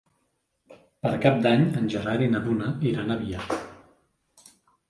Per Cap d'Any en Gerard i na Duna iran a Biar.